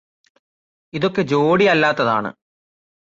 ഇതൊക്കെ ജോടിയല്ലാത്തതാണ്